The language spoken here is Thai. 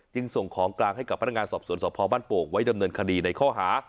ส่งของกลางให้กับพนักงานสอบสวนสพบ้านโป่งไว้ดำเนินคดีในข้อหา